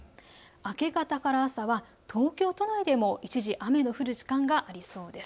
明け方から朝は東京都内でも一時雨の降る時間もありそうです。